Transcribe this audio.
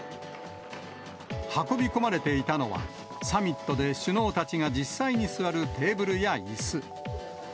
運び込まれていたのは、サミットで首脳たちが実際に座るテーブルやいす。